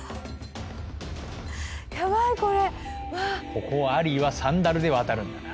ここをアリーはサンダルで渡るんだな。